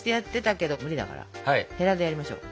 へらでやりましょう。